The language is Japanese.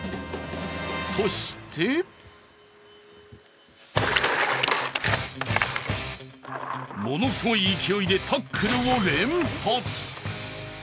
そしてものすごい勢いでタックルを連発。